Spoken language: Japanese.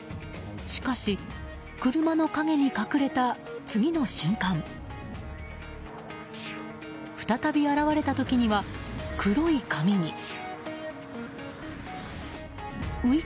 しかし、車の陰に隠れた次の瞬間再び現れた時には黒い髪に。